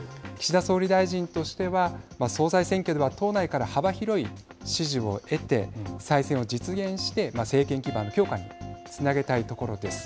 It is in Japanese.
岸田総理大臣としては総裁選挙では党内から幅広い支持を得て再選を実現して政権基盤強化につなげたいところです。